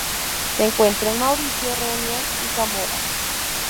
Se encuentra en Mauricio, Reunión y Comoras.